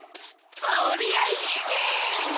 そりゃあいいねえ！